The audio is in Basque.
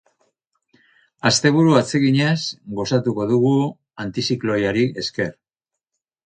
Asteburu atseginaz gozatuko dugu antizikloiari esker.